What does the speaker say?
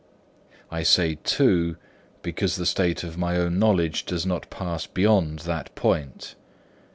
I say two, because the state of my own knowledge does not pass beyond that point.